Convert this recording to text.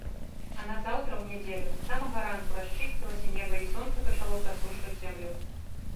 А назаўтра, у нядзелю, з самага ранку расчысцілася неба і сонца пачало прасушваць зямлю.